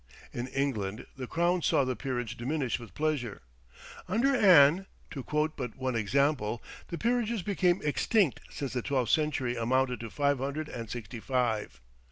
In England the crown saw the peerage diminish with pleasure. Under Anne, to quote but one example, the peerages become extinct since the twelfth century amounted to five hundred and sixty five.